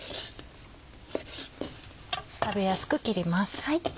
食べやすく切ります。